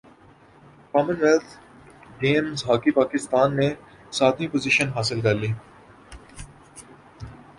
common wealth games hockey Pakistan نے ساتویں position حاصل کر لی